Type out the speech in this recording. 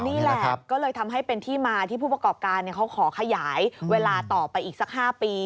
นี่แหละก็เลยทำให้เป็นที่มาที่ผู้ประกอบการเขาขอขยายเวลาต่อไปอีกสัก๕ปี